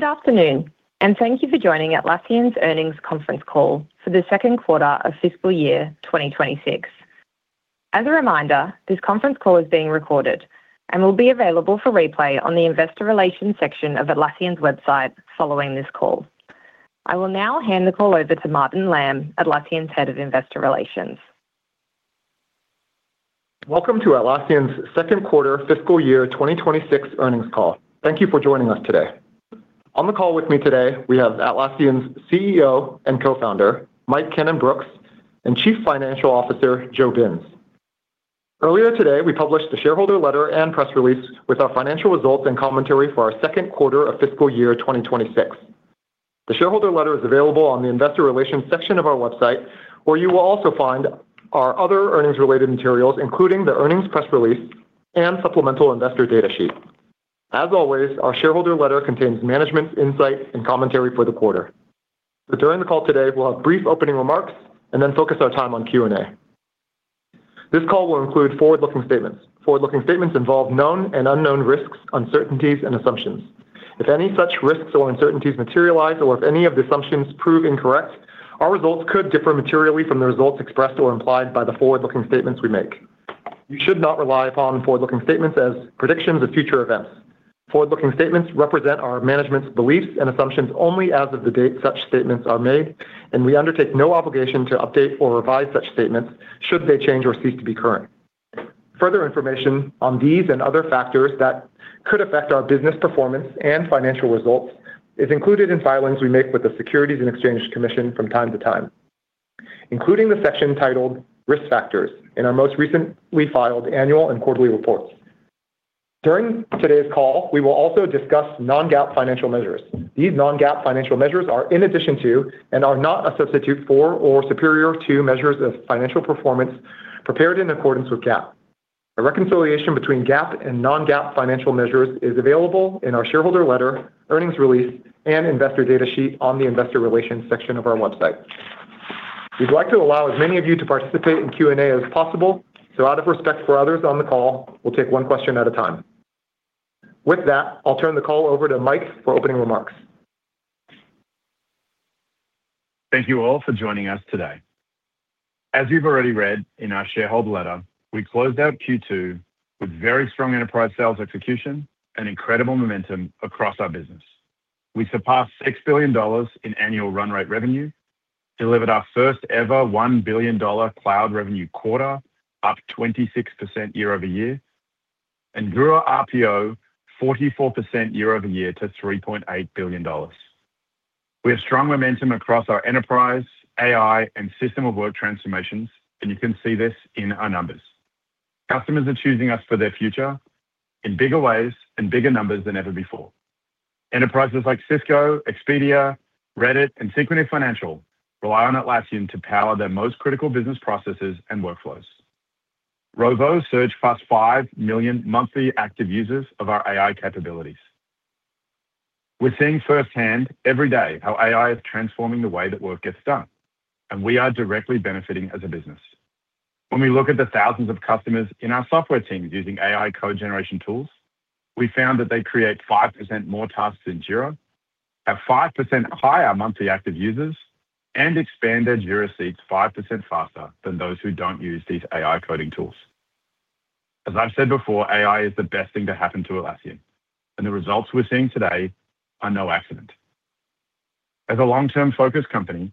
Good afternoon, and thank you for joining Atlassian's earnings conference call for the second quarter of fiscal year 2026. As a reminder, this conference call is being recorded and will be available for replay on the investor relations section of Atlassian's website following this call. I will now hand the call over to Martin Lam, Atlassian's Head of Investor Relations. Welcome to Atlassian's second quarter fiscal year 2026 earnings call. Thank you for joining us today. On the call with me today, we have Atlassian's CEO and Co-Founder, Mike Cannon-Brookes, and Chief Financial Officer, Joe Binz. Earlier today, we published a shareholder letter and press release with our financial results and commentary for our second quarter of fiscal year 2026. The shareholder letter is available on the investor relations section of our website, where you will also find our other earnings-related materials, including the earnings press release and supplemental investor data sheet. As always, our shareholder letter contains management's insight and commentary for the quarter. But during the call today, we'll have brief opening remarks and then focus our time on Q&A. This call will include forward-looking statements. Forward-looking statements involve known and unknown risks, uncertainties, and assumptions. If any such risks or uncertainties materialize, or if any of the assumptions prove incorrect, our results could differ materially from the results expressed or implied by the forward-looking statements we make. You should not rely upon forward-looking statements as predictions of future events. Forward-looking statements represent our management's beliefs and assumptions only as of the date such statements are made, and we undertake no obligation to update or revise such statements should they change or cease to be current. Further information on these and other factors that could affect our business performance and financial results is included in filings we make with the Securities and Exchange Commission from time to time, including the section titled Risk Factors in our most recently filed annual and quarterly reports. During today's call, we will also discuss non-GAAP financial measures. These non-GAAP financial measures are in addition to and are not a substitute for or superior to measures of financial performance prepared in accordance with GAAP. A reconciliation between GAAP and non-GAAP financial measures is available in our shareholder letter, earnings release, and investor data sheet on the investor relations section of our website. We'd like to allow as many of you to participate in Q&A as possible, so out of respect for others on the call, we'll take one question at a time. With that, I'll turn the call over to Mike for opening remarks. Thank you all for joining us today. As you've already read in our shareholder letter, we closed out Q2 with very strong enterprise sales execution and incredible momentum across our business. We surpassed $6 billion in annual run rate revenue, delivered our first-ever $1 billion Cloud revenue quarter, up 26% year-over-year, and grew our RPO 44% year-over-year to $3.8 billion. We have strong momentum across our enterprise, AI, and System of Work transformations, and you can see this in our numbers. Customers are choosing us for their future in bigger ways and bigger numbers than ever before. Enterprises like Cisco, Expedia, Reddit, and Synchrony Financial rely on Atlassian to power their most critical business processes and workflows. Rovo surged past 5 million monthly active users of our AI capabilities. We're seeing firsthand every day how AI is transforming the way that work gets done, and we are directly benefiting as a business. When we look at the thousands of customers in our software teams using AI code generation tools, we found that they create 5% more tasks in Jira, have 5% higher monthly active users, and expand their Jira seats 5% faster than those who don't use these AI coding tools. As I've said before, AI is the best thing to happen to Atlassian, and the results we're seeing today are no accident. As a long-term-focused company,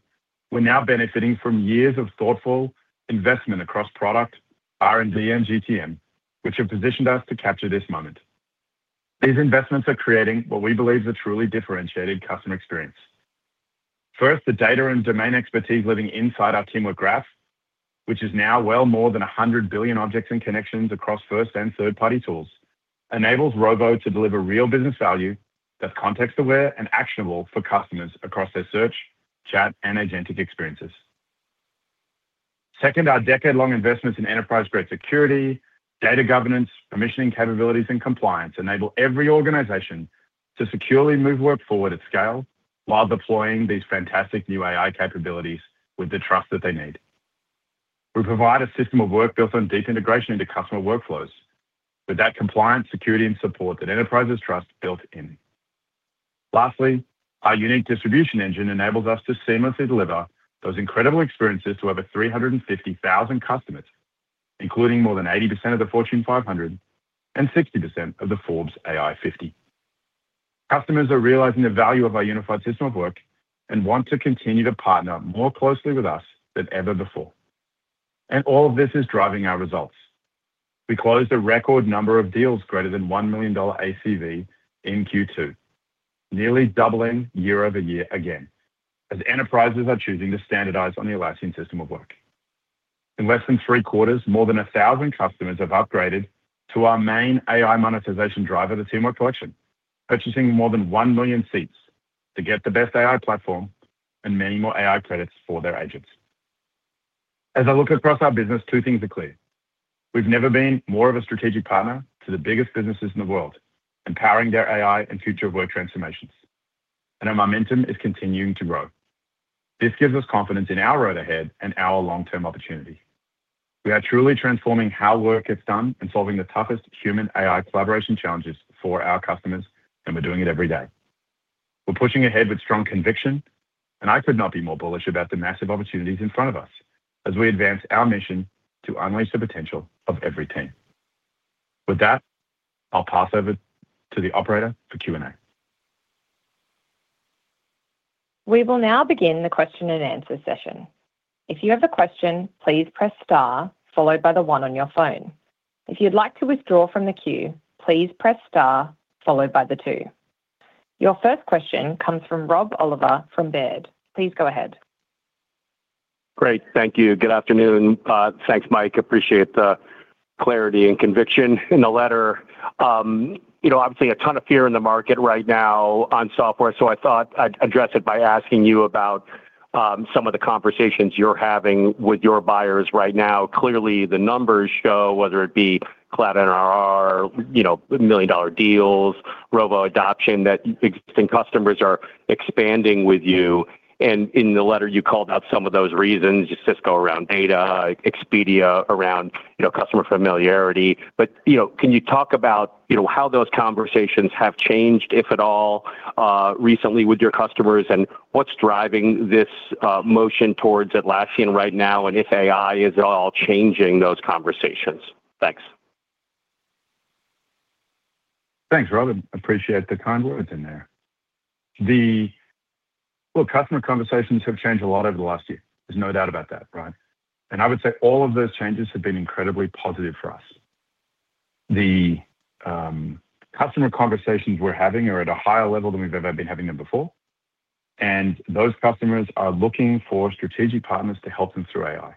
we're now benefiting from years of thoughtful investment across product, R&D, and GTM, which have positioned us to capture this moment. These investments are creating what we believe is a truly differentiated customer experience. First, the data and domain expertise living inside our Teamwork Graph, which is now well more than 100 billion objects and connections across first- and third-party tools, enables Rovo to deliver real business value that's context-aware and actionable for customers across their search, chat, and agentic experiences. Second, our decade-long investments in enterprise-grade security, data governance, permissioning capabilities, and compliance enable every organization to securely move work forward at scale while deploying these fantastic new AI capabilities with the trust that they need. We provide a System of Work built on deep integration into customer workflows with that compliance, security, and support that enterprises trust built in. Lastly, our unique distribution engine enables us to seamlessly deliver those incredible experiences to over 350,000 customers, including more than 80% of the Fortune 500 and 60% of the Forbes AI 50. Customers are realizing the value of our unified System of Work and want to continue to partner more closely with us than ever before, and all of this is driving our results. We closed a record number of deals greater than $1 million ACV in Q2, nearly doubling year-over-year again, as enterprises are choosing to standardize on the Atlassian System of Work. In less than three quarters, more than 1,000 customers have upgraded to our main AI monetization driver, the Teamwork Collection, purchasing more than 1 million seats to get the best AI platform and many more AI credits for their agents. As I look across our business, two things are clear: We've never been more of a strategic partner to the biggest businesses in the world, empowering their AI and future of work transformations, and our momentum is continuing to grow. This gives us confidence in our road ahead and our long-term opportunity. We are truly transforming how work gets done and solving the toughest human AI collaboration challenges for our customers, and we're doing it every day. We're pushing ahead with strong conviction, and I could not be more bullish about the massive opportunities in front of us as we advance our mission to unleash the potential of every team. With that, I'll pass over to the operator for Q&A. We will now begin the question and answer session. If you have a question, please press star followed by the one on your phone. If you'd like to withdraw from the queue, please press star followed by the two. Your first question comes from Rob Oliver from Baird. Please go ahead. Great. Thank you. Good afternoon, thanks, Mike. Appreciate the clarity and conviction in the letter. You know, obviously, a ton of fear in the market right now on software, so I thought I'd address it by asking you about some of the conversations you're having with your buyers right now. Clearly, the numbers show, whether it be Cloud NRR, you know, million-dollar deals, Rovo adoption, that existing customers are expanding with you, and in the letter, you called out some of those reasons, Cisco around data, Expedia around, you know, customer familiarity. But, you know, can you talk about, you know, how those conversations have changed, if at all, recently with your customers, and what's driving this motion towards Atlassian right now, and if AI is at all changing those conversations? Thanks. Thanks, Rob. Appreciate the kind words in there. Well, customer conversations have changed a lot over the last year. There's no doubt about that, right? And I would say all of those changes have been incredibly positive for us. The customer conversations we're having are at a higher level than we've ever been having them before, and those customers are looking for strategic partners to help them through AI.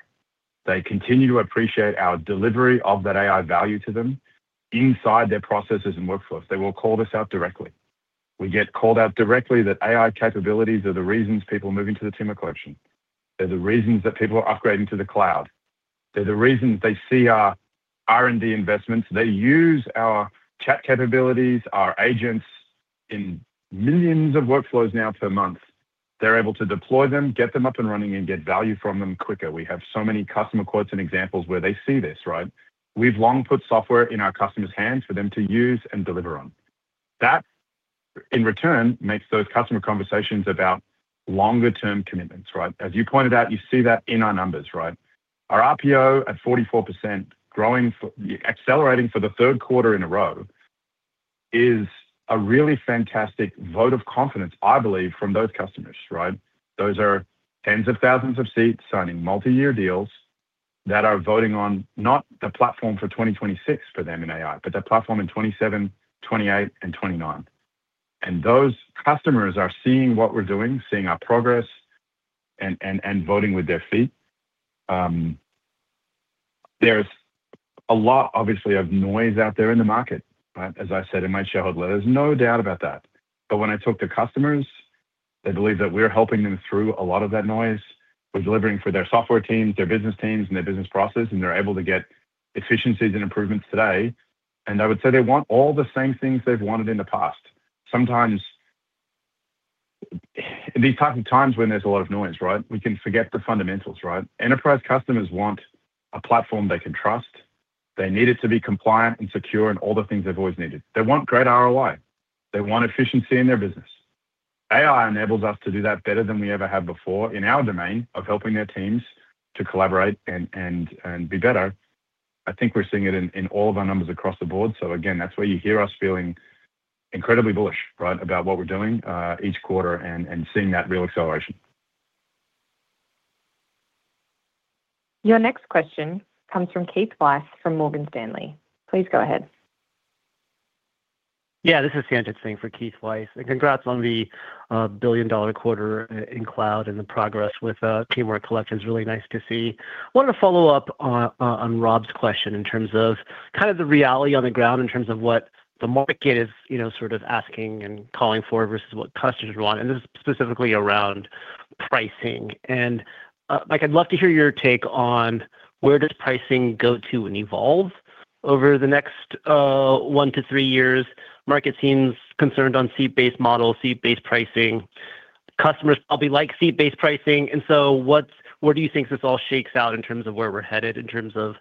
They continue to appreciate our delivery of that AI value to them inside their processes and workflows. They will call this out directly. We get called out directly that AI capabilities are the reasons people are moving to the Teamwork Collection. They're the reasons that people are upgrading to the Cloud. They're the reason they see our R&D investments. They use our chat capabilities, our agents, in millions of workflows now per month. They're able to deploy them, get them up and running, and get value from them quicker. We have so many customer quotes and examples where they see this, right? We've long put software in our customers' hands for them to use and deliver on. That, in return, makes those customer conversations about longer term commitments, right? As you pointed out, you see that in our numbers, right? Our RPO at 44%, growing for, accelerating for the third quarter in a row, is a really fantastic vote of confidence, I believe, from those customers, right? Those are tens of thousands of seats signing multi-year deals that are voting on not the platform for 2026 for them in AI, but the platform in 2027, 2028, and 2029. And those customers are seeing what we're doing, seeing our progress, and voting with their feet. There's a lot, obviously, of noise out there in the market, right? As I said in my shareholder letter, there's no doubt about that. But when I talk to customers, they believe that we're helping them through a lot of that noise. We're delivering for their software teams, their business teams, and their business process, and they're able to get efficiencies and improvements today, and I would say they want all the same things they've wanted in the past. Sometimes, these types of times when there's a lot of noise, right, we can forget the fundamentals, right? Enterprise customers want a platform they can trust. They need it to be compliant and secure and all the things they've always needed. They want great ROI. They want efficiency in their business. AI enables us to do that better than we ever have before in our domain of helping their teams to collaborate and be better. I think we're seeing it in all of our numbers across the board. So again, that's why you hear us feeling incredibly bullish, right, about what we're doing each quarter and seeing that real acceleration. Your next question comes from Keith Weiss, from Morgan Stanley. Please go ahead. Yeah, this is Sanjit Singh for Keith Weiss, and congrats on the billion-dollar quarter in Cloud and the progress with Teamwork Collection. It's really nice to see. Wanted to follow up on Rob's question in terms of kind of the reality on the ground, in terms of what the market is, you know, sort of asking and calling for versus what customers want, and this is specifically around pricing. And, Mike, I'd love to hear your take on where does pricing go to and evolve over the next one to three years? Market seems concerned on seat-based model, seat-based pricing. Customers probably like seat-based pricing, and so what's... where do you think this all shakes out in terms of where we're headed, in terms of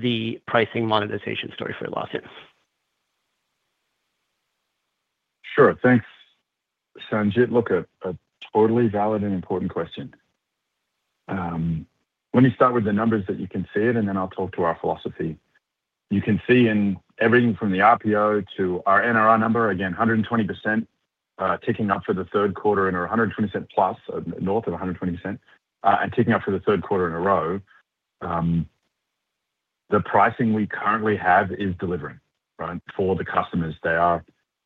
the pricing monetization story for Atlassian? Sure. Thanks, Sanjit. Look, a totally valid and important question. Let me start with the numbers that you can see it, and then I'll talk to our philosophy. You can see in everything from the RPO to our NRR number, again, 120%, ticking up for the third quarter, and our 120% plus, north of 120%, and ticking up for the third quarter in a row. The pricing we currently have is delivering, right, for the customers. They are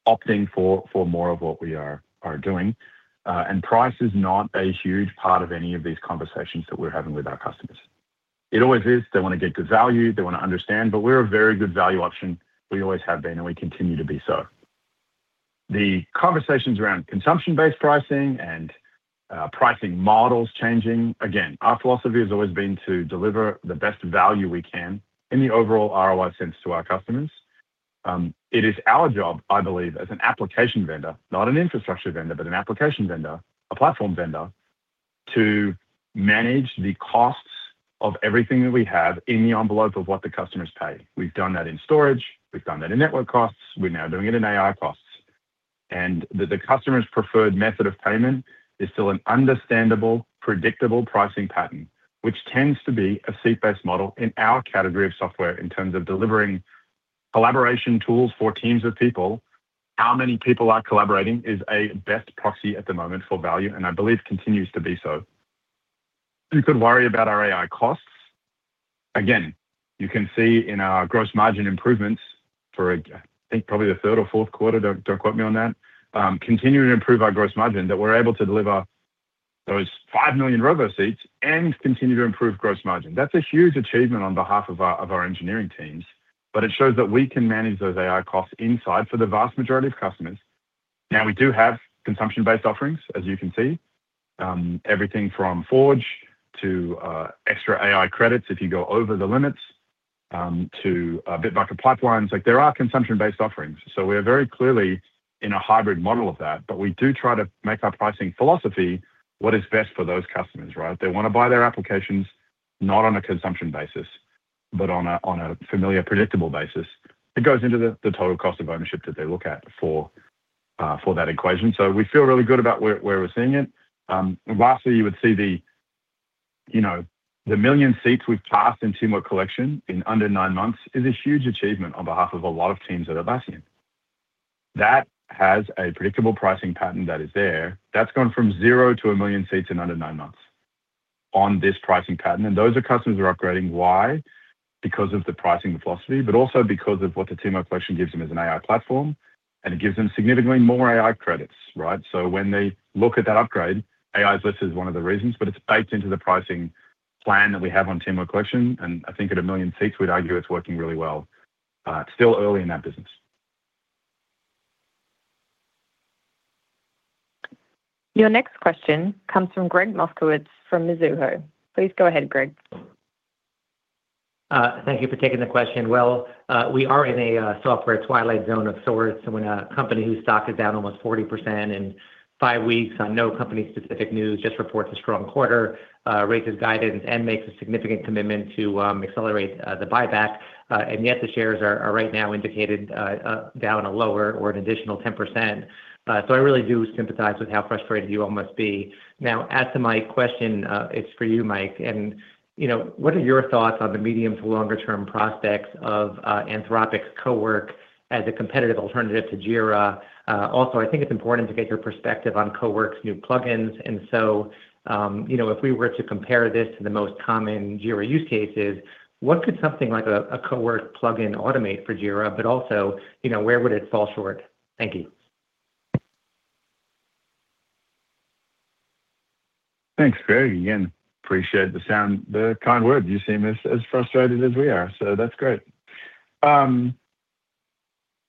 opting for more of what we are doing, and price is not a huge part of any of these conversations that we're having with our customers. It always is. They wanna get good value, they wanna understand, but we're a very good value option. We always have been, and we continue to be so. The conversations around consumption-based pricing and pricing models changing, again, our philosophy has always been to deliver the best value we can in the overall ROI sense to our customers. It is our job, I believe, as an application vendor, not an infrastructure vendor, but an application vendor, a platform vendor, to manage the costs of everything that we have in the envelope of what the customers pay. We've done that in storage, we've done that in network costs, we're now doing it in AI costs. And the customer's preferred method of payment is still an understandable, predictable pricing pattern, which tends to be a seat-based model in our category of software in terms of delivering collaboration tools for teams of people. How many people are collaborating is a best proxy at the moment for value, and I believe continues to be so. You could worry about our AI costs. Again, you can see in our gross margin improvements for, I think, probably the third or fourth quarter, don't, don't quote me on that, continuing to improve our gross margin, that we're able to deliver those 5 million Rovo seats and continue to improve gross margin. That's a huge achievement on behalf of our, of our engineering teams, but it shows that we can manage those AI costs inside for the vast majority of customers. Now, we do have consumption-based offerings, as you can see, everything from Forge to, extra AI credits if you go over the limits, to, Bitbucket Pipelines. Like, there are consumption-based offerings, so we are very clearly in a hybrid model of that. But we do try to make our pricing philosophy what is best for those customers, right? They wanna buy their applications not on a consumption basis, but on a familiar, predictable basis. It goes into the total cost of ownership that they look at for that equation. So we feel really good about where we're seeing it. Lastly, you would see the 1 million seats we've passed in Teamwork Collection in under nine months is a huge achievement on behalf of a lot of teams at Atlassian. That has a predictable pricing pattern that is there. That's gone from zero to 1 million seats in under nine months on this pricing pattern, and those are customers who are upgrading. Why? Because of the pricing philosophy, but also because of what the Teamwork Collection gives them as an AI platform, and it gives them significantly more AI credits, right? So when they look at that upgrade, AI is listed as one of the reasons, but it's baked into the pricing plan that we have on Teamwork Collection, and I think at 1 million seats, we'd argue it's working really well. It's still early in that business. Your next question comes from Greg Moskowitz from Mizuho. Please go ahead, Greg. Thank you for taking the question. Well, we are in a software twilight zone of sorts, and when a company whose stock is down almost 40% in five weeks on no company-specific news, just reports a strong quarter, raises guidance and makes a significant commitment to accelerate the buyback, and yet the shares are right now indicated down a lower or an additional 10%. So I really do sympathize with how frustrated you all must be. Now, as to my question, it's for you, Mike, and, you know, what are your thoughts on the medium to longer term prospects of Anthropic's Cowork as a competitive alternative to Jira? Also, I think it's important to get your perspective on Cowork's new plugins, and so, you know, if we were to compare this to the most common Jira use cases, what could something like a Cowork plugin automate for Jira, but also, you know, where would it fall short? Thank you. Thanks, Greg. Again, appreciate the kind words. You seem as frustrated as we are, so that's great.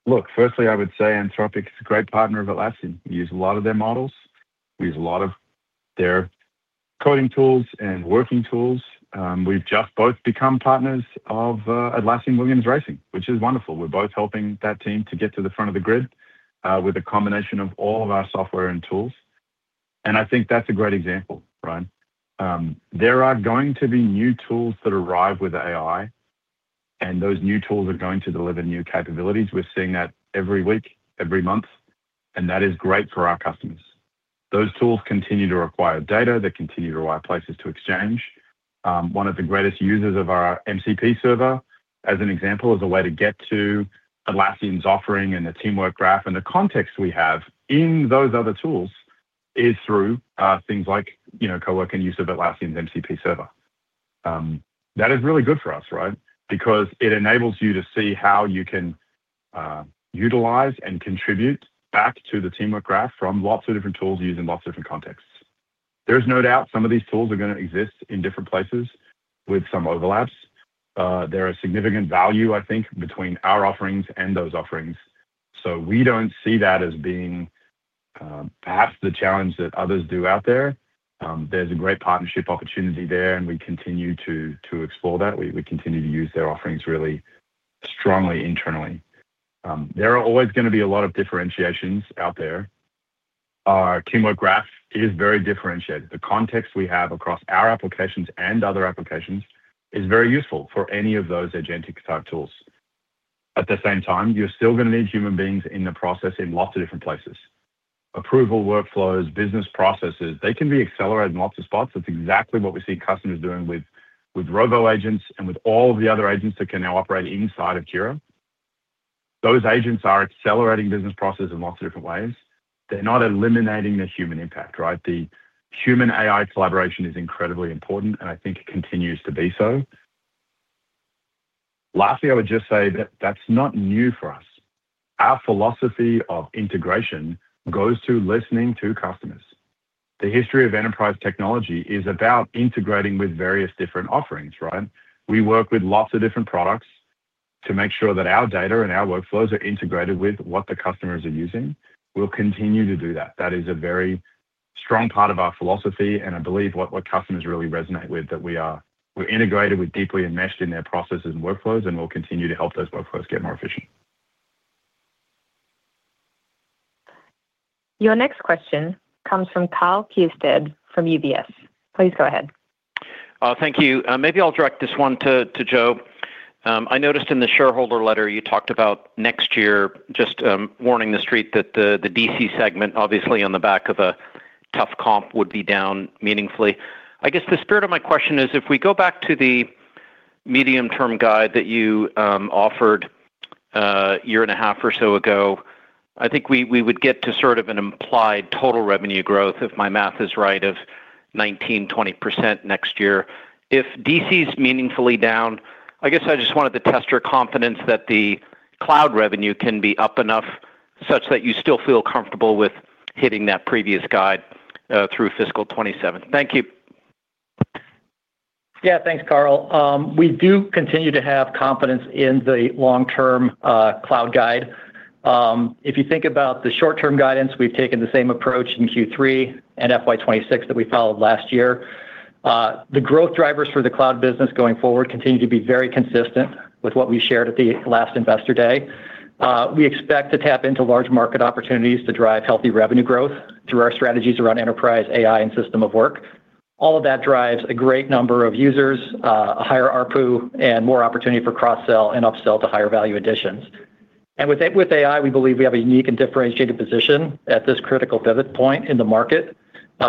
Look, firstly, I would say Anthropic is a great partner of Atlassian. We use a lot of their models, we use a lot of their coding tools and working tools. We've just both become partners of Atlassian Williams Racing, which is wonderful. We're both helping that team to get to the front of the grid with a combination of all of our software and tools, and I think that's a great example, right? There are going to be new tools that arrive with AI, and those new tools are going to deliver new capabilities. We're seeing that every week, every month, and that is great for our customers. Those tools continue to require data. They continue to require places to exchange. One of the greatest users of our MCP Server, as an example, is a way to get to Atlassian's offering and the Teamwork Graph, and the context we have in those other tools is through things like, you know, Cowork and use of Atlassian's MCP Server. That is really good for us, right? Because it enables you to see how you can utilize and contribute back to the Teamwork Graph from lots of different tools used in lots of different contexts. There is no doubt some of these tools are gonna exist in different places with some overlaps. There are significant value, I think, between our offerings and those offerings, so we don't see that as being, perhaps the challenge that others do out there. There's a great partnership opportunity there, and we continue to explore that. We continue to use their offerings really strongly internally. There are always gonna be a lot of differentiations out there. Our Teamwork Graph is very differentiated. The context we have across our applications and other applications is very useful for any of those agentic-type tools. At the same time, you're still gonna need human beings in the process in lots of different places. Approval, workflows, business processes, they can be accelerated in lots of spots. That's exactly what we see customers doing with Rovo agents and with all of the other agents that can now operate inside of Jira. Those agents are accelerating business processes in lots of different ways. They're not eliminating the human impact, right? The human-AI collaboration is incredibly important, and I think it continues to be so. Lastly, I would just say that that's not new for us. Our philosophy of integration goes to listening to customers. The history of enterprise technology is about integrating with various different offerings, right? We work with lots of different products to make sure that our data and our workflows are integrated with what the customers are using. We'll continue to do that. That is a very strong part of our philosophy, and I believe what customers really resonate with, that we're integrated with deeply enmeshed in their processes and workflows, and we'll continue to help those workflows get more efficient. Your next question comes from Karl Keirstead from UBS. Please go ahead. Thank you. Maybe I'll direct this one to Joe. I noticed in the shareholder letter you talked about next year, just warning the Street that the DC segment, obviously on the back of a tough comp, would be down meaningfully. I guess the spirit of my question is, if we go back to the medium-term guide that you offered, a year and a half or so ago, I think we would get to sort of an implied total revenue growth, if my math is right, of 19%-20% next year. If DC's meaningfully down, I guess I just wanted to test your confidence that the Cloud revenue can be up enough such that you still feel comfortable with hitting that previous guide, through fiscal 2027. Thank you. Yeah, thanks, Karl. We do continue to have confidence in the long-term Cloud guide. If you think about the short-term guidance, we've taken the same approach in Q3 and FY 2026 that we followed last year. The growth drivers for the Cloud business going forward continue to be very consistent with what we shared at the last Investor Day. We expect to tap into large market opportunities to drive healthy revenue growth through our strategies around enterprise, AI, and System of Work. All of that drives a great number of users, a higher ARPU, and more opportunity for cross-sell and upsell to higher value additions. With AI, we believe we have a unique and differentiated position at this critical pivot point in the market,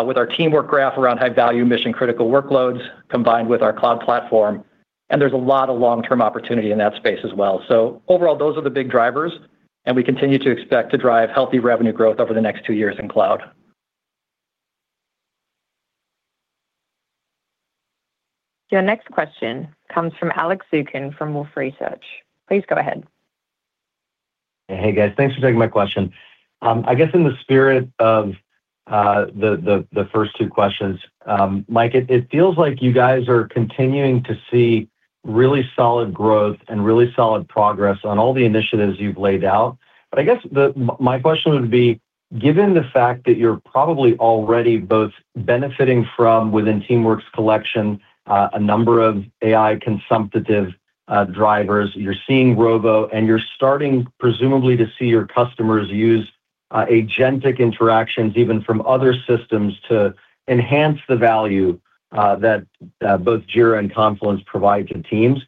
with our Teamwork Graph around high-value mission critical workloads, combined with our Cloud platform, and there's a lot of long-term opportunity in that space as well. Overall, those are the big drivers, and we continue to expect to drive healthy revenue growth over the next two years in Cloud. Your next question comes from Alex Zukin from Wolfe Research. Please go ahead. Hey, guys. Thanks for taking my question. I guess in the spirit of the first two questions, Mike, it feels like you guys are continuing to see really solid growth and really solid progress on all the initiatives you've laid out. But I guess my question would be, given the fact that you're probably already both benefiting from, within Teamwork's Collection, a number of AI consumptive drivers, you're seeing Rovo, and you're starting presumably to see your customers use agentic interactions, even from other systems, to enhance the value that both Jira and Confluence provide to teams,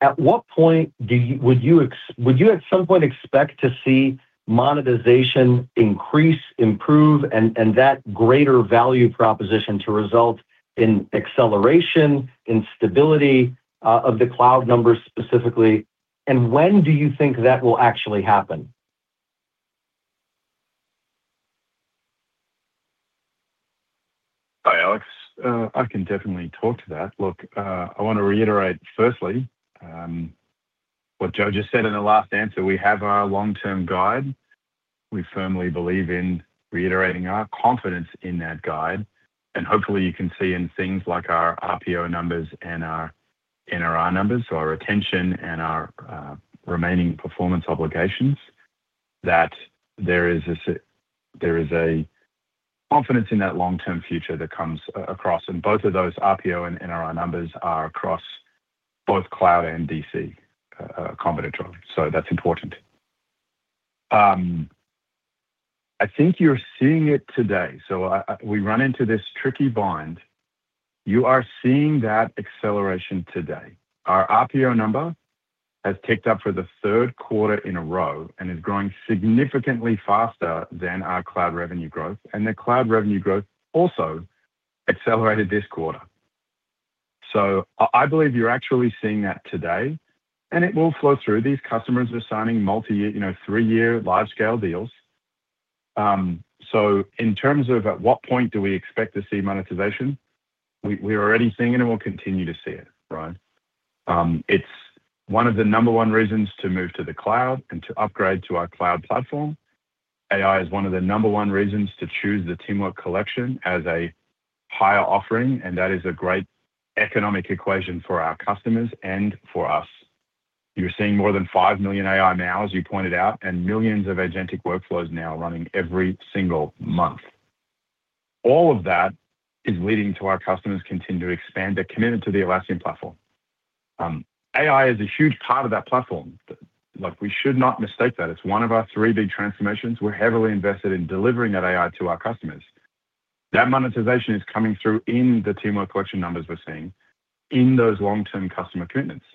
at what point would you expect to see monetization increase, improve, and that greater value proposition to result in acceleration in stability of the Cloud numbers specifically? When do you think that will actually happen? Hi, Alex. I can definitely talk to that. Look, I want to reiterate firstly what Joe just said in the last answer, we have our long-term guide. We firmly believe in reiterating our confidence in that guide, and hopefully, you can see in things like our RPO numbers and our NRR numbers, so our retention and our remaining performance obligations, that there is a confidence in that long-term future that comes across, and both of those RPO and NRR numbers are across both Cloud and DC combinatorily. So that's important. I think you're seeing it today. So we run into this tricky bind. You are seeing that acceleration today. Our RPO number has ticked up for the third quarter in a row and is growing significantly faster than our Cloud revenue growth, and the Cloud revenue growth also accelerated this quarter. So I believe you're actually seeing that today, and it will flow through. These customers are signing multi-year, you know, three-year large-scale deals. So in terms of at what point do we expect to see monetization, we're already seeing it, and we'll continue to see it, right? It's one of the number one reasons to move to the Cloud and to upgrade to our Cloud platform. AI is one of the number one reasons to choose the Teamwork Collection as a higher offering, and that is a great economic equation for our customers and for us. You're seeing more than 5 million AI now, as you pointed out, and millions of agentic workflows now running every single month. All of that is leading to our customers continue to expand their commitment to the Atlassian platform. AI is a huge part of that platform. Like, we should not mistake that. It's one of our three big transformations. We're heavily invested in delivering that AI to our customers. That monetization is coming through in the Teamwork Collection numbers we're seeing in those long-term customer commitments.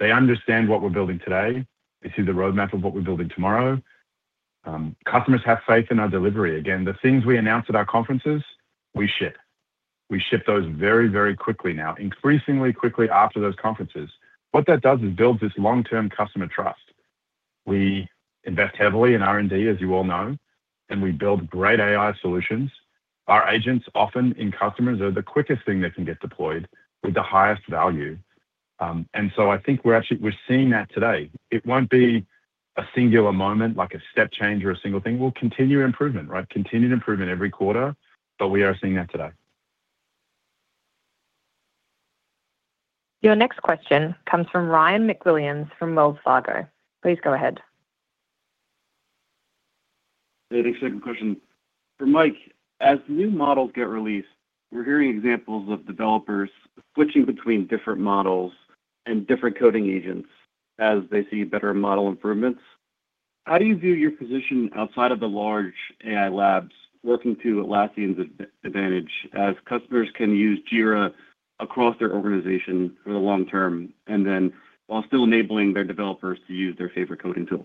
They understand what we're building today. They see the roadmap of what we're building tomorrow. Customers have faith in our delivery. Again, the things we announce at our conferences, we ship. We ship those very, very quickly now, increasingly quickly after those conferences. What that does is build this long-term customer trust. We invest heavily in R&D, as you all know, and we build great AI solutions. Our agents, often in customers, are the quickest thing that can get deployed with the highest value. And so I think we're actually seeing that today. It won't be a singular moment, like a step change or a single thing. We'll continue improvement, right? Continued improvement every quarter, but we are seeing that today. Your next question comes from Ryan McWilliams from Wells Fargo. Please go ahead. Hey, thanks. Second question. For Mike, as new models get released, we're hearing examples of developers switching between different models and different coding agents as they see better model improvements. How do you view your position outside of the large AI labs working to Atlassian's advantage, as customers can use Jira across their organization for the long term, and then while still enabling their developers to use their favorite coding tool?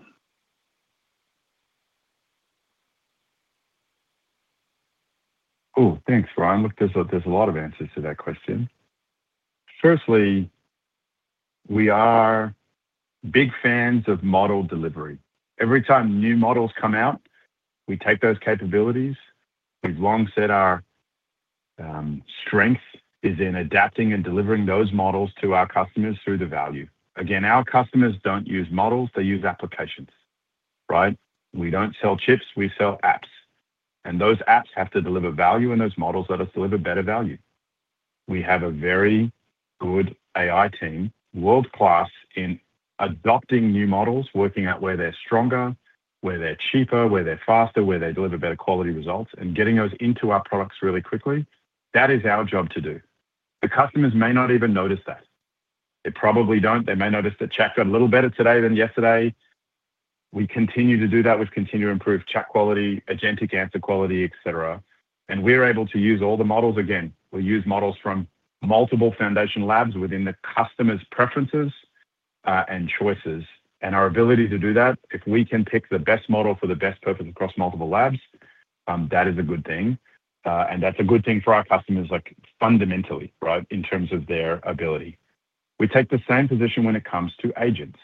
Cool. Thanks, Ryan. Look, there's a lot of answers to that question. Firstly, we are big fans of model delivery. Every time new models come out, we take those capabilities. We've long said our strength is in adapting and delivering those models to our customers through the value. Again, our customers don't use models, they use applications, right? We don't sell chips, we sell apps, and those apps have to deliver value, and those models let us deliver better value. We have a very good AI team, world-class, in adopting new models, working out where they're stronger, where they're cheaper, where they're faster, where they deliver better quality results, and getting those into our products really quickly. That is our job to do. The customers may not even notice that. They probably don't. They may notice that chat got a little better today than yesterday. We continue to do that. We continue to improve chat quality, agentic answer quality, et cetera, and we're able to use all the models again. We use models from multiple foundation labs within the customer's preferences, and choices. And our ability to do that, if we can pick the best model for the best purpose across multiple labs, that is a good thing. And that's a good thing for our customers, like, fundamentally, right? In terms of their ability. We take the same position when it comes to agents.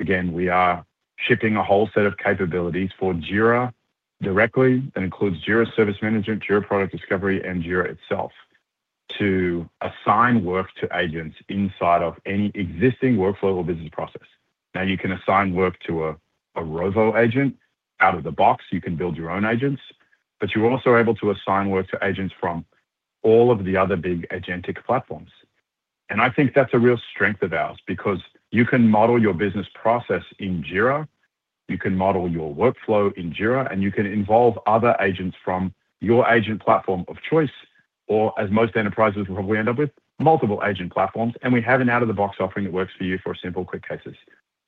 Again, we are shipping a whole set of capabilities for Jira directly, that includes Jira Service Management, Jira Product Discovery, and Jira itself, to assign work to agents inside of any existing workflow or business process. Now, you can assign work to a Rovo agent out of the box. You can build your own agents, but you're also able to assign work to agents from all of the other big agentic platforms. I think that's a real strength of ours because you can model your business process in Jira, you can model your workflow in Jira, and you can involve other agents from your agent platform of choice, or as most enterprises will probably end up with, multiple agent platforms, and we have an out-of-the-box offering that works for you for simple, quick cases.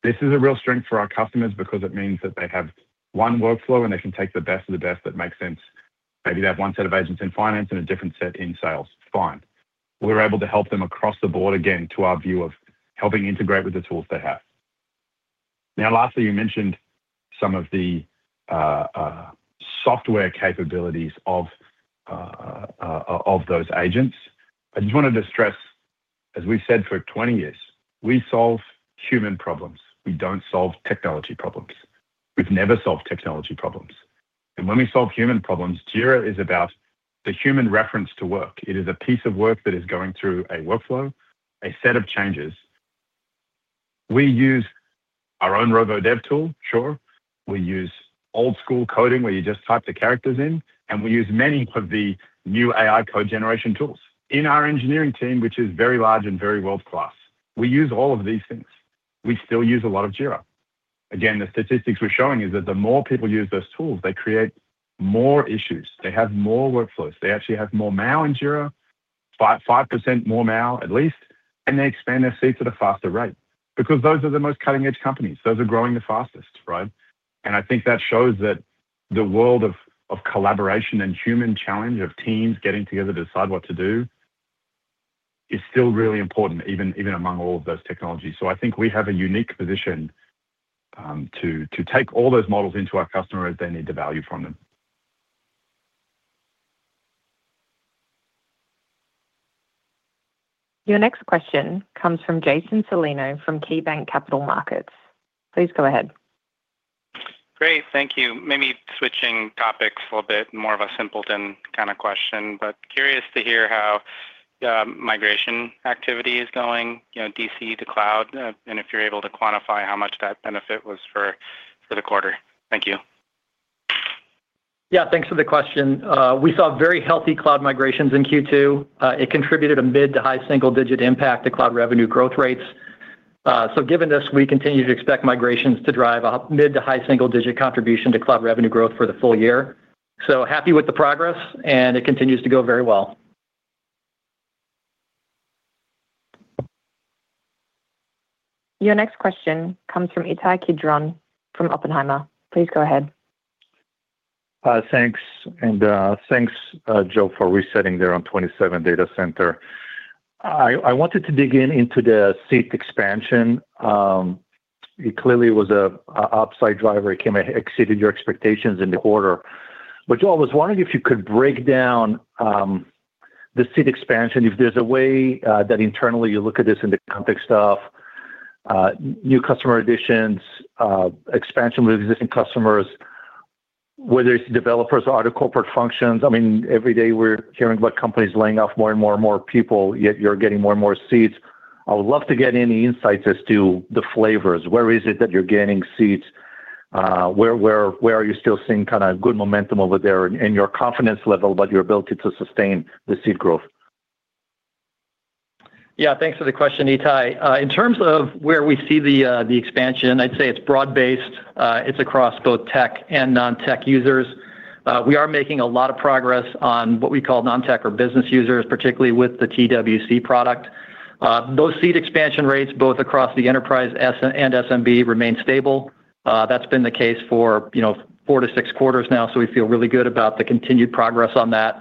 This is a real strength for our customers because it means that they have one workflow, and they can take the best of the best that makes sense. Maybe they have one set of agents in finance and a different set in sales. Fine. We're able to help them across the board, again, to our view of helping integrate with the tools they have. Now, lastly, you mentioned some of the software capabilities of those agents. I just wanted to stress, as we've said for 20 years, we solve human problems, we don't solve technology problems. We've never solved technology problems. And when we solve human problems, Jira is about the human reference to work. It is a piece of work that is going through a workflow, a set of changes. We use our own Rovo dev tool, sure. We use old school coding, where you just type the characters in, and we use many of the new AI code generation tools. In our engineering team, which is very large and very world-class, we use all of these things. We still use a lot of Jira. Again, the statistics we're showing is that the more people use those tools, they create more issues, they have more workflows, they actually have more MAU in Jira, 5% more MAU at least, and they expand their seats at a faster rate because those are the most cutting-edge companies. Those are growing the fastest, right? And I think that shows that the world of, of collaboration and human challenge, of teams getting together to decide what to do, is still really important, even, even among all of those technologies. So I think we have a unique position, to, to take all those models into our customer as they need the value from them. Your next question comes from Jason Celino from KeyBanc Capital Markets. Please go ahead. Great. Thank you. Maybe switching topics a little bit, more of a simpleton kind of question, but curious to hear how migration activity is going, you know, DC to Cloud, and if you're able to quantify how much that benefit was for the quarter. Thank you. Yeah, thanks for the question. We saw very healthy Cloud migrations in Q2. It contributed a mid- to high-single-digit impact to Cloud revenue growth rates. So given this, we continue to expect migrations to drive a mid- to high-single-digit contribution to Cloud revenue growth for the full year. So happy with the progress, and it continues to go very well. Your next question comes from Itay Kidron from Oppenheimer. Please go ahead. Thanks, and thanks, Joe, for resetting there on 2027 Data Center. I wanted to dig into the seat expansion. It clearly was an upside driver. It exceeded your expectations in the quarter. But Joe, I was wondering if you could break down the seat expansion, if there's a way that internally you look at this in the context of new customer additions, expansion with existing customers, whether it's developers or other corporate functions. I mean, every day we're hearing about companies laying off more and more and more people, yet you're getting more and more seats. I would love to get any insights as to the flavors. Where is it that you're gaining seats? Where are you still seeing kind of good momentum over there and your confidence level about your ability to sustain the seat growth? Yeah, thanks for the question, Itay. In terms of where we see the expansion, I'd say it's broad-based. It's across both tech and non-tech users. We are making a lot of progress on what we call non-tech or business users, particularly with the TWC product. Those seat expansion rates, both across the enterprise and SMB remain stable. That's been the case for, you know, four to six quarters now, so we feel really good about the continued progress on that.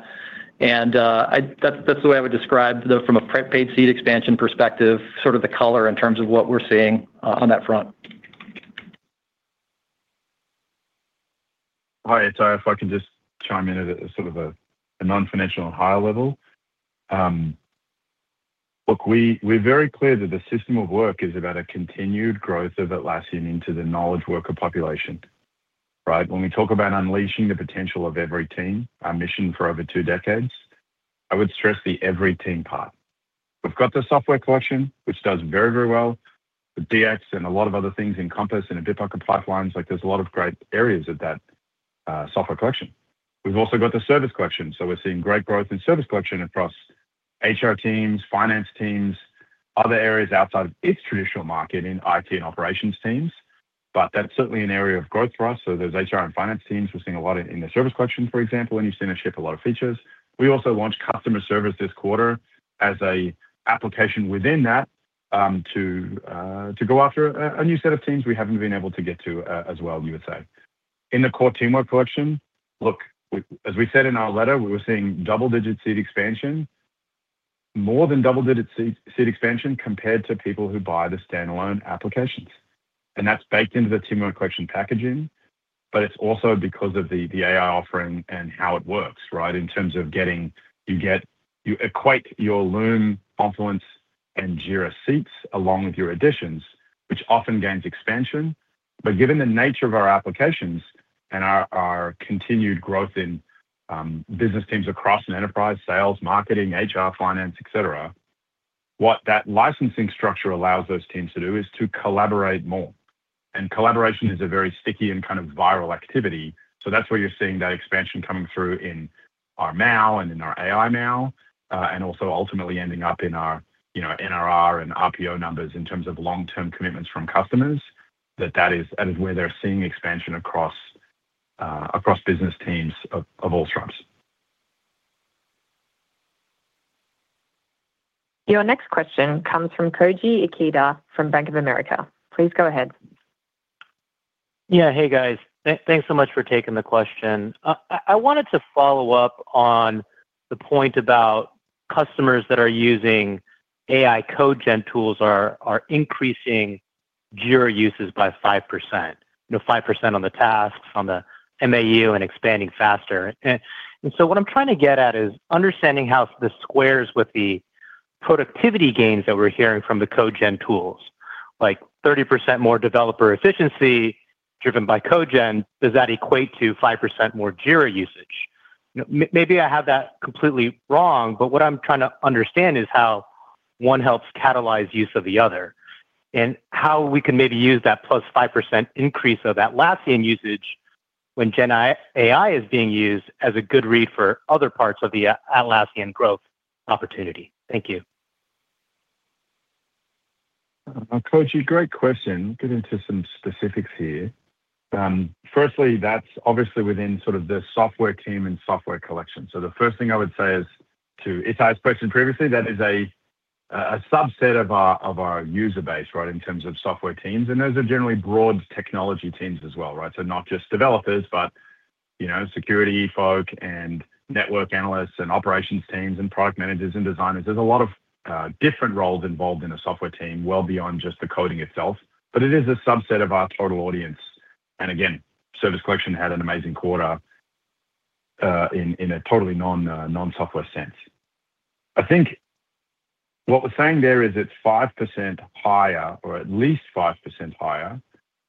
And that's, that's the way I would describe the from a per paid seat expansion perspective, sort of the color in terms of what we're seeing on that front. Hi, Itay, if I can just chime in at a sort of a non-financial and higher level. Look, we're very clear that the System of Work is about a continued growth of Atlassian into the knowledge worker population, right? When we talk about unleashing the potential of every team, our mission for over two decades, I would stress the every team part. We've got the Software Collection, which does very, very well, the DX and a lot of other things encompass in Bitbucket Pipelines, like there's a lot of great areas of that, Software Collection. We've also got the Service Collection, so we're seeing great growth in Service Collection across HR teams, finance teams, other areas outside of its traditional market, in IT and operations teams. But that's certainly an area of growth for us, so there's HR and finance teams. We're seeing a lot in the Service Collection, for example, and you've seen us ship a lot of features. We also launched customer service this quarter as an application within that, to go after a new set of teams we haven't been able to get to, as well, you would say. In the core Teamwork Collection, look, we, as we said in our letter, we were seeing double-digit seat expansion, more than double-digit seat expansion compared to people who buy the standalone applications, and that's baked into the Teamwork Collection packaging. But it's also because of the AI offering and how it works, right? In terms of getting. You get you align your Loom, Confluence, and Jira seats along with your additions, which often gains expansion. But given the nature of our applications and our continued growth in business teams across an enterprise, sales, marketing, HR, finance, et cetera, what that licensing structure allows those teams to do is to collaborate more. And collaboration is a very sticky and kind of viral activity. So that's where you're seeing that expansion coming through in our MAU and in our AI MAU, and also ultimately ending up in our, you know, NRR and RPO numbers in terms of long-term commitments from customers, that is where they're seeing expansion across business teams of all stripes. Your next question comes from Koji Ikeda, from Bank of America. Please go ahead. Yeah. Hey, guys. Thanks so much for taking the question. I wanted to follow up on the point about customers that are using AI code gen tools are increasing Jira uses by 5%. You know, 5% on the tasks, on the MAU, and expanding faster. And so what I'm trying to get at is understanding how this squares with the productivity gains that we're hearing from the code gen tools. Like 30% more developer efficiency driven by code gen, does that equate to 5% more Jira usage? You know, maybe I have that completely wrong, but what I'm trying to understand is how one helps catalyze use of the other, and how we can maybe use that plus 5% increase of Atlassian usage when Gen AI is being used as a good read for other parts of the Atlassian growth opportunity. Thank you. Koji, great question. Get into some specifics here. Firstly, that's obviously within sort of the software team and Software Collection. So the first thing I would say is, to Itay's question previously, that is a subset of our user base, right? In terms of software teams, and those are generally broad technology teams as well, right? So not just developers, but, you know, security folk and network analysts, and operations teams, and product managers, and designers. There's a lot of different roles involved in a software team, well beyond just the coding itself, but it is a subset of our total audience. And again, Service Collection had an amazing quarter, in a totally non-software sense. I think what we're saying there is it's 5% higher, or at least 5% higher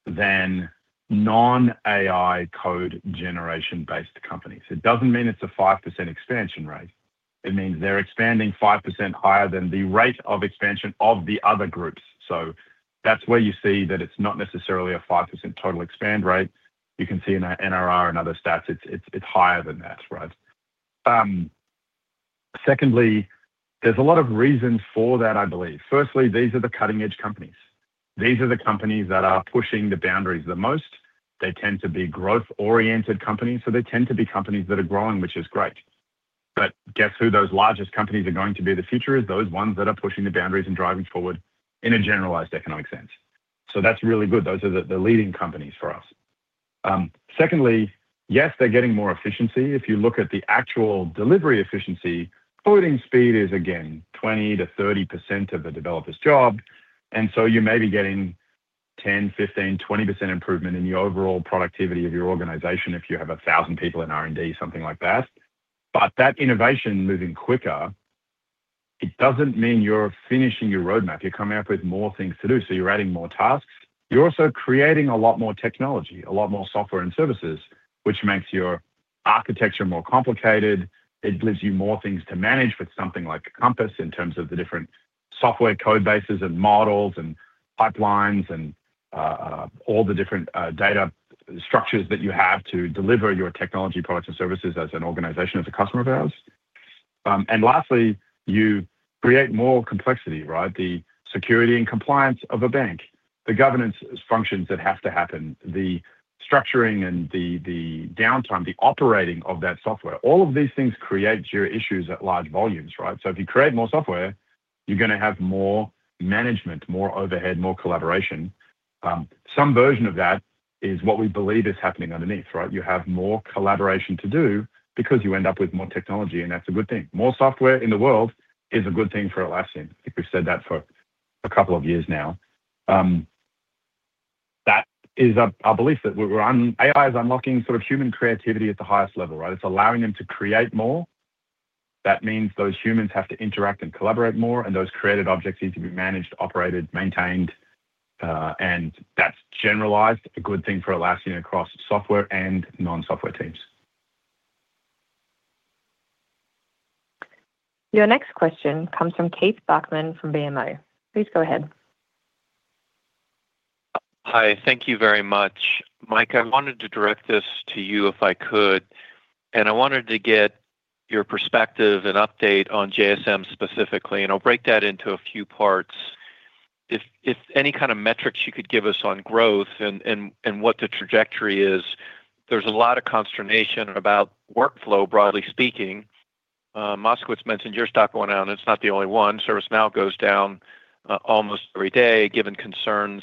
than non-AI code generation-based companies. It doesn't mean it's a 5% expansion rate, it means they're expanding 5% higher than the rate of expansion of the other groups. So that's where you see that it's not necessarily a 5% total expand rate. You can see in our NRR and other stats, it's higher than that, right? Secondly, there's a lot of reasons for that, I believe. Firstly, these are the cutting-edge companies. These are the companies that are pushing the boundaries the most. They tend to be growth-oriented companies, so they tend to be companies that are growing, which is great. But guess who those largest companies are going to be? The future is those ones that are pushing the boundaries and driving forward in a generalized economic sense. So that's really good. Those are the leading companies for us. Secondly, yes, they're getting more efficiency. If you look at the actual delivery efficiency, coding speed is again 20%-30% of a developer's job, and so you may be getting 10%, 15%, 20% improvement in the overall productivity of your organization if you have 1,000 people in R&D, something like that. But that innovation moving quicker, it doesn't mean you're finishing your roadmap, you're coming up with more things to do, so you're adding more tasks. You're also creating a lot more technology, a lot more software and services, which makes your architecture more complicated. It gives you more things to manage with something like a Compass, in terms of the different software code bases, and models, and pipelines, and all the different data structures that you have to deliver your technology products and services as an organization, as a customer of ours. And lastly, you create more complexity, right? The security and compliance of a bank, the governance functions that have to happen, the structuring and the downtime, the operating of that software. All of these things create your issues at large volumes, right? So if you create more software, you're gonna have more management, more overhead, more collaboration. Some version of that is what we believe is happening underneath, right? You have more collaboration to do because you end up with more technology, and that's a good thing. More software in the world is a good thing for Atlassian. I think we've said that for a couple of years now. That is our belief, that AI is unlocking sort of human creativity at the highest level, right? It's allowing them to create more. That means those humans have to interact and collaborate more, and those created objects need to be managed, operated, maintained, and that's generalized a good thing for Atlassian across software and non-software teams. Your next question comes from Keith Bachman from BMO. Please go ahead. Hi. Thank you very much. Mike, I wanted to direct this to you if I could, and I wanted to get your perspective and update on JSM specifically, and I'll break that into a few parts. If any kind of metrics you could give us on growth and what the trajectory is, there's a lot of consternation about workflow, broadly speaking. Moskowitz mentioned your stock going down, and it's not the only one. ServiceNow goes down almost every day, given concerns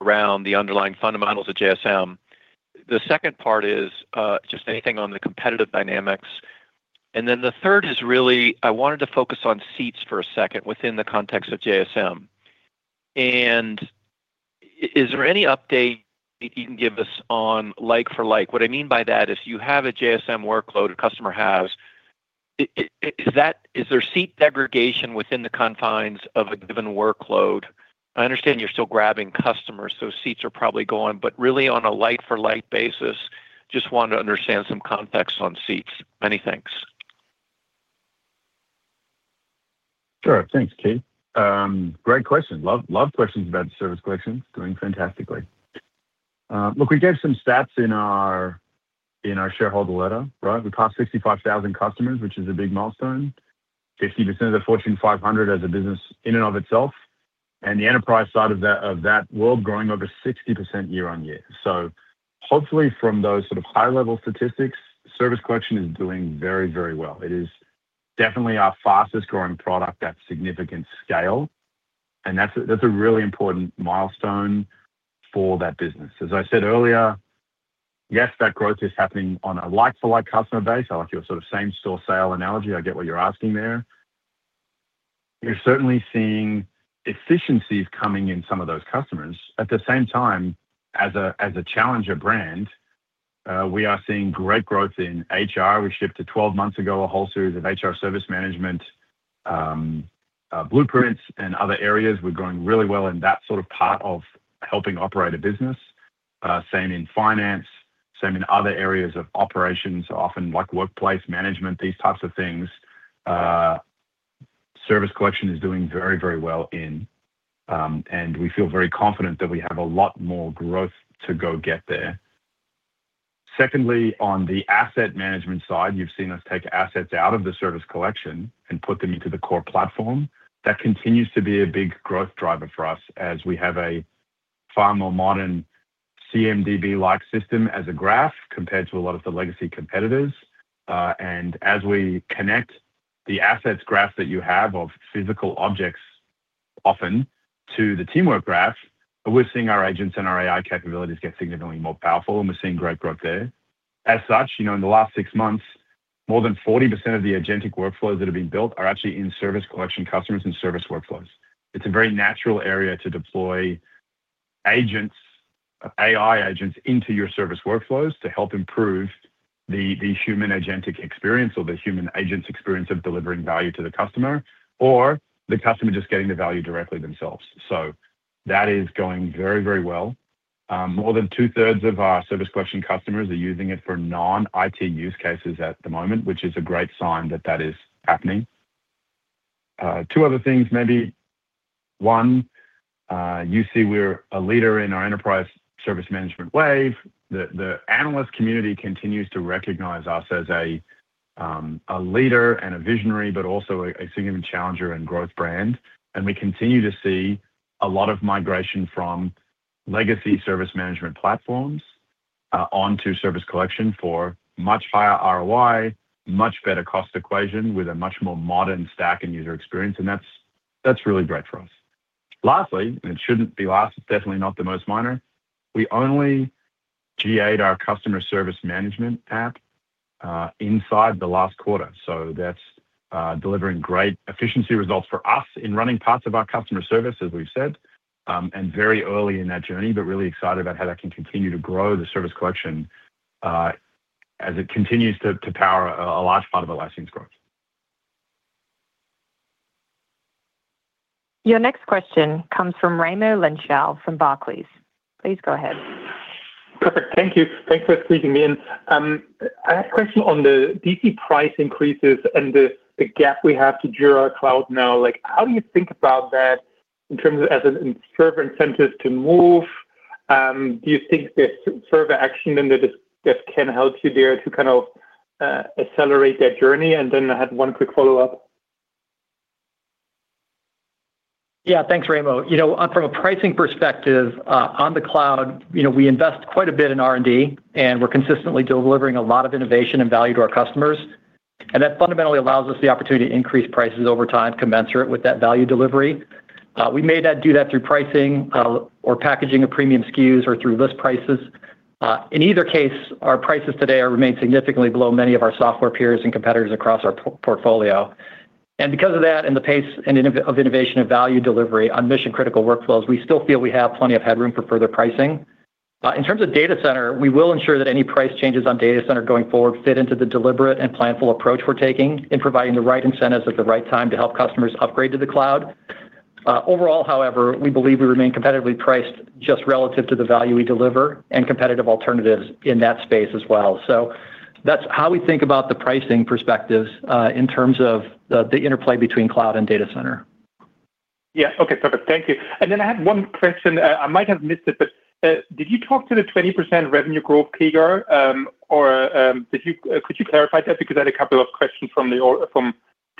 around the underlying fundamentals of JSM. The second part is just anything on the competitive dynamics. And then the third is really, I wanted to focus on seats for a second within the context of JSM. And is there any update you can give us on like for like? What I mean by that, if you have a JSM workload, a customer has, is that is there seat segregation within the confines of a given workload? I understand you're still grabbing customers, so seats are probably going, but really on a like for like basis, just want to understand some context on seats. Many thanks. Sure. Thanks, Keith. Great question. Love, love questions about Service Collection. Doing fantastically. Look, we gave some stats in our, in our shareholder letter, right? We passed 65,000 customers, which is a big milestone, 50% of the Fortune 500 as a business in and of itself, and the enterprise side of that, of that world growing over 60% year-on-year. So hopefully from those sort of high-level statistics, Service Collection is doing very, very well. It is definitely our fastest growing product at significant scale, and that's a, that's a really important milestone for that business. As I said earlier, yes, that growth is happening on a like-for-like customer base. I like your sort of same-store sales analogy. I get what you're asking there. We're certainly seeing efficiencies coming in some of those customers. At the same time, as a challenger brand, we are seeing great growth in HR. We shipped 12 months ago a whole series of HR service management blueprints and other areas. We're growing really well in that sort of part of helping operate a business. Same in finance, same in other areas of operations, often like workplace management, these types of things. Service collection is doing very, very well, and we feel very confident that we have a lot more growth to go get there. Secondly, on the asset management side, you've seen us take assets out of the Service Collection and put them into the core platform. That continues to be a big growth driver for us as we have a far more modern CMDB-like system as a graph compared to a lot of the legacy competitors. And as we connect the assets graph that you have of physical objects, often to the Teamwork Graph, we're seeing our agents and our AI capabilities get significantly more powerful, and we're seeing great growth there. As such, you know, in the last six months, more than 40% of the agentic workflows that have been built are actually in Service Collection customers and service workflows. It's a very natural area to deploy agents, AI agents into your service workflows to help improve the, the human agentic experience or the human agent's experience of delivering value to the customer, or the customer just getting the value directly themselves. So that is going very, very well. More than two-thirds of our Service Collection customers are using it for non-IT use cases at the moment, which is a great sign that that is happening. Two other things, maybe. One, you see we're a leader in our Enterprise Service Management Wave. The analyst community continues to recognize us as a leader and a visionary, but also a significant challenger and growth brand. And we continue to see a lot of migration from legacy service management platforms onto Service Collection for much higher ROI, much better cost equation with a much more modern stack and user experience, and that's really great for us. Lastly, and it shouldn't be last, it's definitely not the most minor. We only GA'd our customer service management app inside the last quarter, so that's delivering great efficiency results for us in running parts of our customer service, as we've said. And very early in that journey, but really excited about how that can continue to grow the Service Collection, as it continues to power a large part of Atlassian's growth. Your next question comes from Raimo Lenschow from Barclays. Please go ahead. Perfect. Thank you. Thanks for squeezing me in. I have a question on the DC price increases and the gap we have to Jira Cloud now. Like, how do you think about that in terms of Server incentives to move? Do you think there's further action than that is that can help you there to kind of accelerate that journey? And then I had one quick follow-up. Yeah. Thanks, Raimo. You know, from a pricing perspective, on the Cloud, you know, we invest quite a bit in R&D, and we're consistently delivering a lot of innovation and value to our customers, and that fundamentally allows us the opportunity to increase prices over time, commensurate with that value delivery. We may not do that through pricing, or packaging of premium SKUs or through list prices. In either case, our prices today remain significantly below many of our software peers and competitors across our portfolio. And because of that, and the pace and innovation and value delivery on mission-critical workflows, we still feel we have plenty of headroom for further pricing. In terms of Data Center, we will ensure that any price changes on Data Center going forward fit into the deliberate and planful approach we're taking in providing the right incentives at the right time to help customers upgrade to the Cloud. Overall, however, we believe we remain competitively priced just relative to the value we deliver and competitive alternatives in that space as well. So that's how we think about the pricing perspectives in terms of the interplay between Cloud and Data Center. Yeah. Okay, perfect. Thank you. And then I had one question. I might have missed it, but did you talk to the 20% revenue growth CAGR? Or did you... Could you clarify that? Because I had a couple of questions from the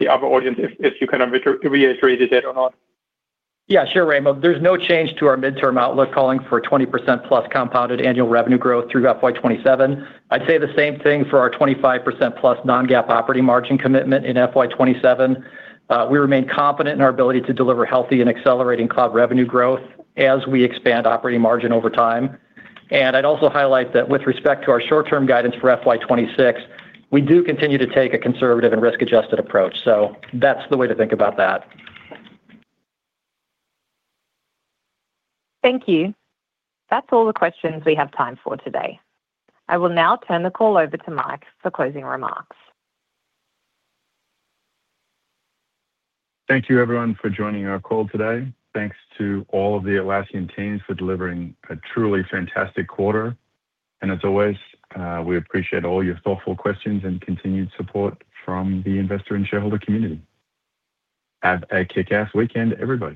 other audience, if you kind of reiterated it or not. Yeah, sure, Raimo. There's no change to our midterm outlook, calling for a 20%+ compounded annual revenue growth through FY 2027. I'd say the same thing for our 25%+ non-GAAP operating margin commitment in FY 2027. We remain confident in our ability to deliver healthy and accelerating Cloud revenue growth as we expand operating margin over time. And I'd also highlight that with respect to our short-term guidance for FY 2026, we do continue to take a conservative and risk-adjusted approach. So that's the way to think about that. Thank you. That's all the questions we have time for today. I will now turn the call over to Mike for closing remarks. Thank you, everyone, for joining our call today. Thanks to all of the Atlassian teams for delivering a truly fantastic quarter. As always, we appreciate all your thoughtful questions and continued support from the investor and shareholder community. Have a kick-ass weekend, everybody.